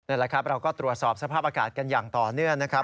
นั่นแหละครับเราก็ตรวจสอบสภาพอากาศกันอย่างต่อเนื่องนะครับ